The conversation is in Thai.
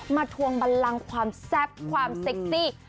ทวงบันลังความแซ่บความเซ็กซี่